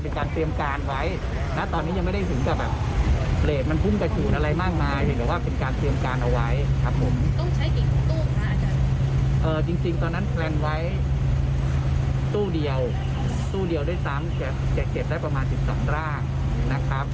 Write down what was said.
จริงคือเราอยากได้๔๐ฟุตแต่๔๐ฟุตที่เราแคบแบบนี้เราก็ไม่สามารถจัดการได้นะครับ